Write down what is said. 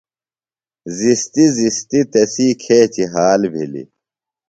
زِستیۡ زِستیۡ تسی کھیچیۡ حال بِھلیۡ۔